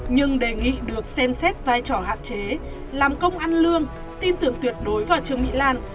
nhưng đề nghị được xem xét vai trò hạn chế làm công ăn lương tin tưởng tuyệt đối vào trương mỹ lan